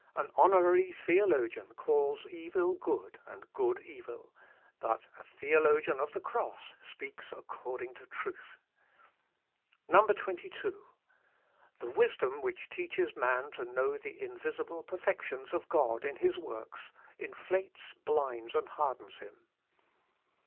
"An honorary theologian calls evil good, and good evil; but a theologian of the cross speaks according to truth. 22. "The wisdom which teaches man to know the invisible perfections of God in his works, inflates, blinds, and hardens him.